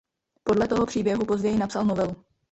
Podle toho příběhu později napsal novelu.